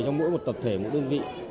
trong mỗi một tập thể mỗi đơn vị